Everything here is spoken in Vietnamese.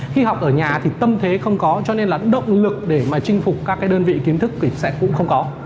khi học ở nhà thì tâm thế không có cho nên là động lực để mà chinh phục các cái đơn vị kiến thức thì sẽ cũng không có